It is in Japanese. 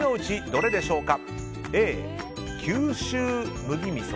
どれでしょうか。